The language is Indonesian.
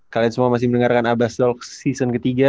kalian semua masih mendengarkan abastol season ketiga